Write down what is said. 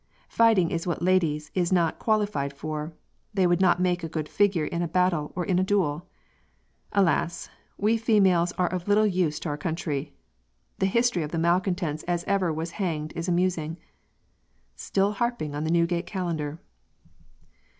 Fighting is what ladies is not qualyfied for, they would not make a good figure in battle or in a duel. Alas! we females are of little use to our country. The history of all the malcontents as ever was hanged is amusing." Still harping on the Newgate Calendar!